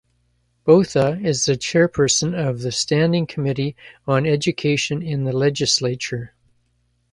Botha is the chairperson of the Standing Committee on Education in the legislature.